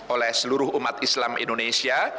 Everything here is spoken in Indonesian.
oleh seluruh umat islam indonesia